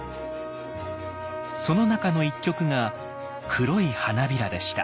その中の一曲が「黒い花びら」でした。